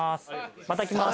また来ます。